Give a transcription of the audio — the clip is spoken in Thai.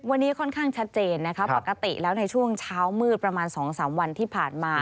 อากาศเย็นนิดนะครับปกติแล้วในช่วงเช้ามืดประมาณ๒๓วันที่ผ่านมา